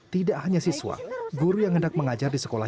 tidak hanya siswa guru yang hendak mengajar di sekolah